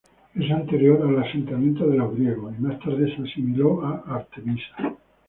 Es anterior al asentamiento de los griegos y más tarde se asimiló a Artemisa.